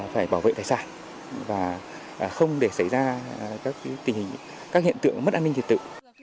phải bảo vệ tài sản và không để xảy ra các hiện tượng mất an ninh trật tự